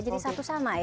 jadi satu sama ya